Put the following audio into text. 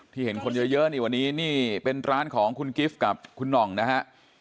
เห็นคนเยอะนี่วันนี้นี่เป็นร้านของคุณกิฟต์กับคุณหน่องนะฮะ